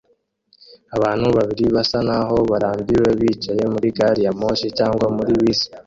Abantu babiri basa naho barambiwe bicaye muri gari ya moshi cyangwa muri bisi